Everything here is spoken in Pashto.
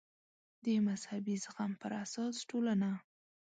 د مذهبي زغم پر اساس ټولنه